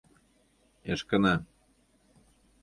Эшкына...